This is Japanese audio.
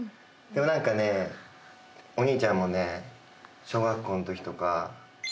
何かねお兄ちゃんもね小学校のときとか。